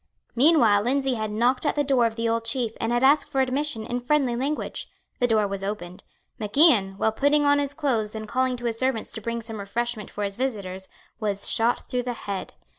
Meanwhile Lindsay had knocked at the door of the old Chief and had asked for admission in friendly language. The door was opened. Mac Ian, while putting on his clothes and calling to his servants to bring some refreshment for his visitors, was shot through the head.